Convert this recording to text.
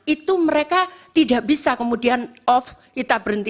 itu mereka tidak bisa kemudian off kita berhenti